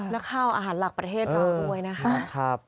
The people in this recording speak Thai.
และข้าวอาหารหลักประเทศเราด้วยนะคะ